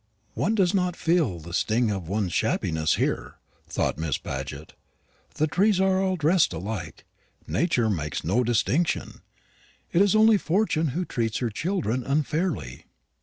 "One does not feel the sting of one's shabbiness here," thought Miss Paget: "the trees are all dressed alike. Nature makes no distinction. It is only Fortune who treats her children unfairly."